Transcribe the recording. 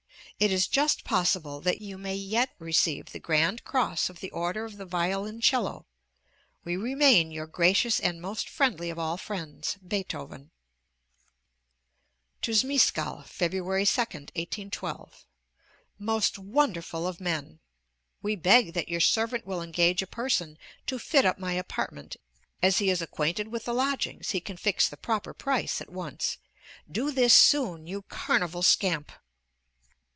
It is just possible that you may yet receive the Grand Cross of the Order of the Violoncello. We remain your gracious and most friendly of all friends, BEETHOVEN. TO ZMESKALL FEBRUARY 2d, 1812. Most wonderful of men! We beg that your servant will engage a person to fit up my apartment; as he is acquainted with the lodgings, he can fix the proper price at once. Do this soon, you Carnival scamp!!!!!!!